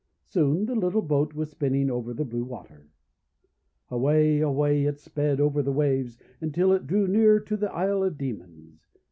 Soon the little boat was spinning over the blue water. Away! away! it sped over the waves until it drew near to the Isle of Demons.